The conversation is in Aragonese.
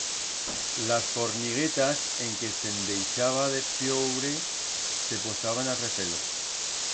Las forniguetas, en que se'n deixaba de plloure, se posaban a refer-lo.